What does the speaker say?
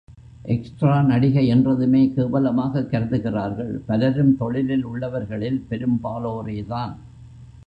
Extra நடிகை என்றதுமே கேவலமாகக் கருதுகிறார்கள் பலரும் தொழிலில் உள்ளவர்களில் பெரும்பாலோரே தான்.